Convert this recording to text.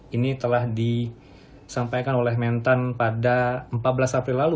ini telah disampaikan oleh mentan pada empat belas april lalu